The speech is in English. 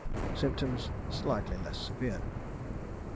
Symptoms slightly less severe.